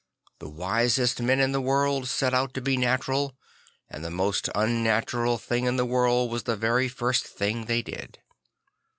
The wisest men in the world set out to be natural; and the most unnatural thing in the world was the very first thing they did.